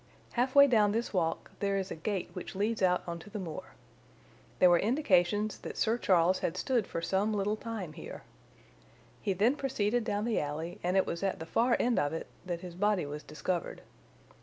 Halfway down this walk there is a gate which leads out on to the moor. There were indications that Sir Charles had stood for some little time here. He then proceeded down the alley, and it was at the far end of it that his body was discovered.